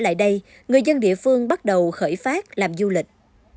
ngày nay người dân địa phương bắt đầu khởi phát làm du lịch